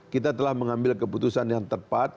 kita telah mengambil keputusan yang tepat